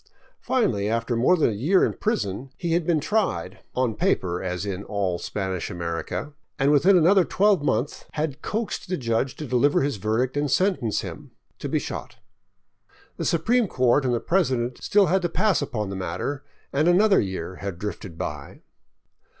Finally, after more than a year in prison, he had been tried — on paper, as in all Spanish America — and within another twelve month had coaxed the judge to deliver his verdict and sentence him — to be shot. The supreme court and the president had still to pass upon the matter, and another year had drifted by.